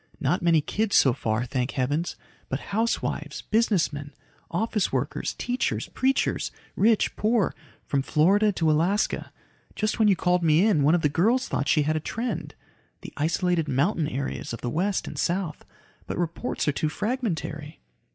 "Not many kids so far, thank heavens. But housewives, businessmen, office workers, teachers, preachers rich, poor from Florida to Alaska. Just when you called me in, one of the girls thought she had a trend. The isolated mountain areas of the West and South. But reports are too fragmentary."